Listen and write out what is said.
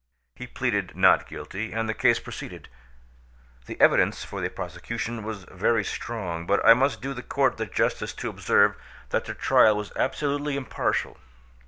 He pleaded not guilty, and the case proceeded. The evidence for the prosecution was very strong; but I must do the court the justice to observe that the trial was absolutely impartial.